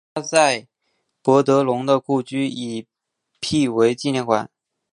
他在帕德龙的故居已辟为纪念馆。